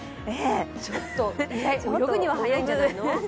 ちょっと、泳ぐには早いんじゃないの？